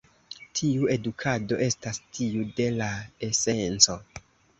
Tiu edukado estas tiu de la esenco.